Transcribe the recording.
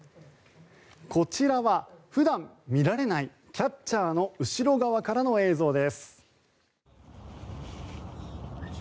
こちらは普段、見られないキャッチャーの後ろ側からの映像です。